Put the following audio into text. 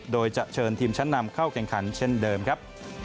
โดยจะเชิญทีมชั้นนำเข้าแข่งขันเช่นเดิมครับ